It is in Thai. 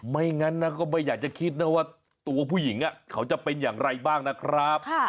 ไม่งั้นนะก็ไม่อยากจะคิดนะว่าตัวผู้หญิงเขาจะเป็นอย่างไรบ้างนะครับ